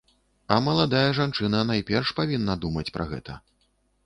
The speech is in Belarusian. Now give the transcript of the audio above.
А маладая жанчына найперш павінна думаць пра гэта.